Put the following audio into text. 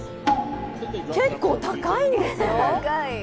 結構、高いんですよ。